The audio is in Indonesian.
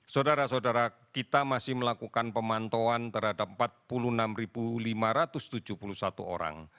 saudara saudara kita masih melakukan pemantauan terhadap empat puluh enam lima ratus tujuh puluh satu orang